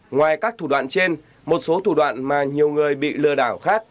ngoài các thủ đoạn trên một số thủ đoạn mà nhiều người bị lừa đảo khác